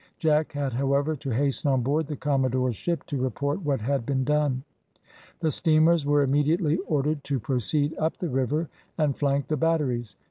Jack had, however, to hasten on board the commodore's ship, to report what had been done. The steamers were immediately ordered to proceed up the river and flank the batteries.